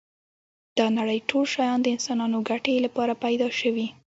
دا نړی ټول شیان د انسانانو ګټی لپاره پيدا شوی